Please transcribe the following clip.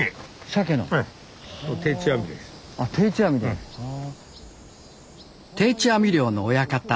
定置網漁の親方